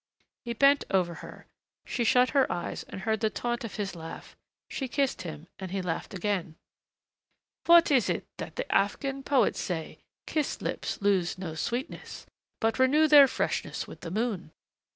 He bent over her. She shut her eyes and heard the taunt of his laugh. She kissed him, and he laughed again. "What is it the Afghan poets say? 'Kissed lips lose no sweetness, but renew their freshness with the moon.'